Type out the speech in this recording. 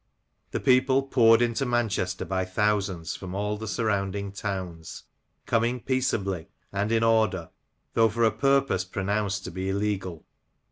The people poured into Manchester by thousands 4"rom all the surrounding towns, coming peaceably and in order, though for a purpose pronounced to be illegal.